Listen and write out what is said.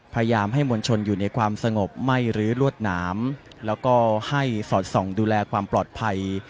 พยายามให้มวลชนอยู่ในความสงบไม่รื้อรวดหนามแล้วก็ให้สอดส่องดูแลความปลอดภัย